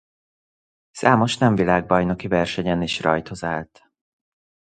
Számos nem világbajnoki versenyen is rajhoz állt.